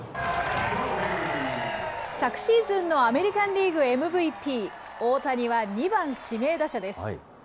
昨シーズンのアメリカンリーグＭＶＰ、大谷は２番指名打者です。